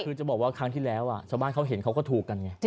คือจะบอกว่าครั้งที่แล้วชาวบ้านเขาเห็นเขาก็ถูกกันไง